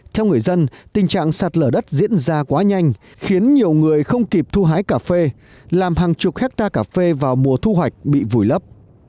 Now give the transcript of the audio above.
theo người dân tình trạng sạt lở đất diễn ra quá nhanh khiến nhiều người không kịp thu hái cà phê làm hàng chục hectare cà phê vào mùa thu hoạch bị vùi lấp